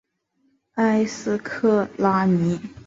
埃斯克拉尼。